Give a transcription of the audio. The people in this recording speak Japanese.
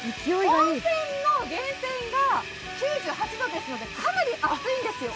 温泉の源泉が９８度ですので、かなり熱いんですよ。